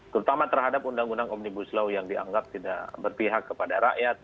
terutama terhadap undang undang omnibus law yang dianggap tidak berpihak kepada rakyat